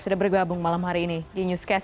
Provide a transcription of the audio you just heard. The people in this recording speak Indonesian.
sudah bergabung malam hari ini di newscast